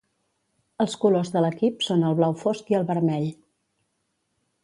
Els colors de l'equip són el blau fosc i el vermell.